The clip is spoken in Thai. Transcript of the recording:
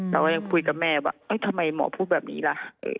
เราก็ยังคุยกับแม่ว่าทำไมหมอพูดแบบนี้ล่ะ